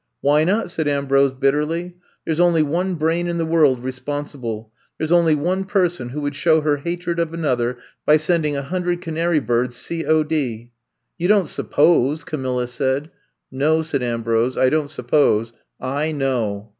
Why not?" said Ambrose bitterly. There 's only one brain in the world re sponsible. There 's only one person who would show her hatred of another by send ing a hundred canary birds C. 0. D. " You don't suppose —" Camilla said. No, '' said Ambrose. I don 't suppose. Iknow."